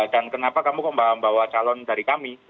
dan kenapa kamu membawa calon dari kami